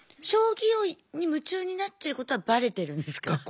将棋に夢中になってることはバレてるんですか？